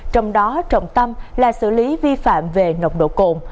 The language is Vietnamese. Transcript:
trong đó trọng tâm là xử lý vi phạm về nồng độ cồn